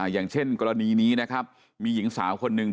อย่างเช่นกรณีนี้นะครับมีหญิงสาวคนหนึ่ง